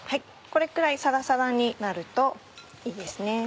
これくらいサラサラになるといいですね。